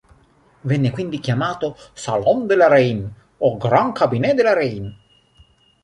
Venne quindi chiamato "Salon de la reine" o "Grand Cabinet de la reine".